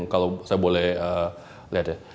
kalau saya boleh lihat ya